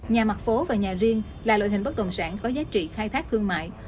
nhà mặt phố và nhà riêng là loại hình bất động sản có giá trị khai thác thương mại